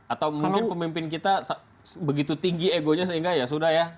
atau mungkin pemimpin kita begitu tinggi egonya sehingga ya sudah ya